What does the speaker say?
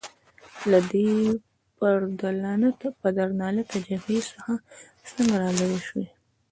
له دې پدرلعنته جبهې څخه څنګه رالیري شوې؟